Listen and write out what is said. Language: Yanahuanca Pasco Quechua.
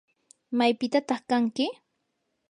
¿maypitataq kanki?